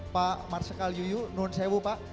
pak marsyakal yuyunun sewu pak